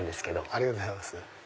ありがとうございます。